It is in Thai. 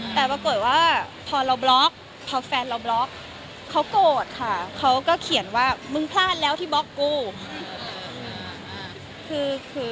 แต่ปรากฏว่าพอเราบล็อกพอแฟนเราบล็อกเขาโกรธค่ะเขาก็เขียนว่ามึงพลาดแล้วที่บล็อกกู